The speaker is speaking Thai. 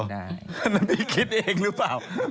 นั่นพี่คิดเองหรือเปล่า